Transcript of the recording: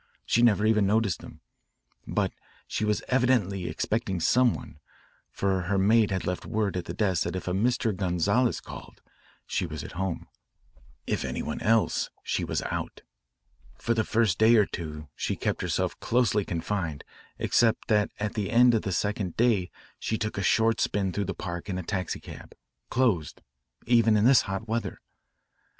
She never even noticed them. But she was evidently expecting some one, for her maid had left word at the desk that if a Mr. Gonzales called, she was at home; if any one else, she was out. For the first day or two she kept herself closely confined, except that at the end of the second day she took a short spin through the park in a taxicab closed, even in this hot weather.